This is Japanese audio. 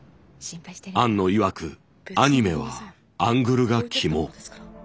庵野いわくアニメはアングルが肝。